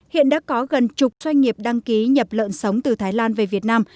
hiện đã có gần chục doanh nghiệp đăng ký nhập lợn sống từ thái lan về việt nam